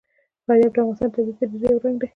فاریاب د افغانستان د طبیعي پدیدو یو رنګ دی.